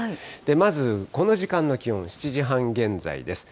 まず、この時間の気温、７時半現在です。